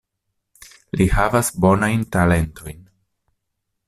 Li havas bonajn talentojn.